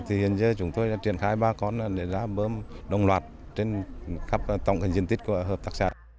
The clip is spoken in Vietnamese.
thì hiện giờ chúng tôi đã triển khai ba con để ra bơm đồng loạt trên tổng diện tích của hợp tác xã